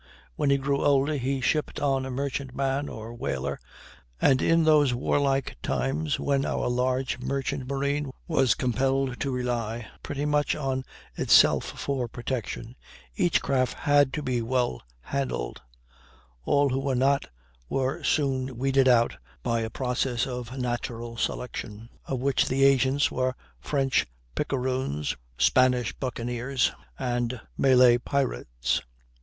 When he grew older, he shipped on a merchant man or whaler, and in those warlike times, when our large merchant marine was compelled to rely pretty much on itself for protection, each craft had to be well handled; all who were not were soon weeded out by a process of natural selection, of which the agents were French picaroons, Spanish buccaneers, and Malay pirates.